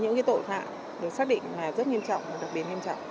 những cái tội phạm được xác định là rất nghiêm trọng đặc biệt nghiêm trọng